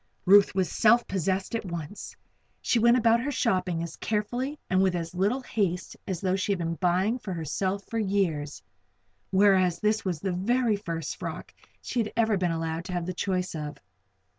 Ruth was self posessed at once. She went about her shopping as carefully and with as little haste as though she had been buying for herself for years; whereas this was the very first frock that she had ever been allowed to have the choice of.